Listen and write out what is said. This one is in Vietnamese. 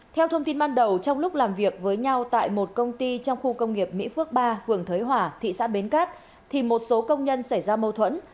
theo thông tin ban đầu trong lúc làm việc với nhau tại một công ty trong khu công nghiệp mỹ phước ba phường thới hỏa thị xã bến cát thì một số công nhân xảy ra mâu thuẫn